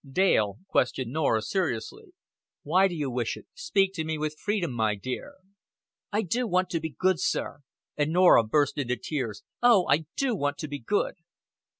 Dale questioned Norah seriously. "Why do you wish it? Speak to me with freedom, my dear." "I do want to be good, sir." And Norah burst into tears. "Oh, I do want to be good."